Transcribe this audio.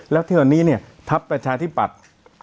แล้วที่วันนี้เนี่ยทัพประชาธิปัตย์